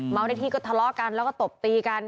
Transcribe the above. เมาส์ได้ที่ก็ทะเลาะกันแล้วก็ตบตีกัน